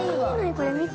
これ見て！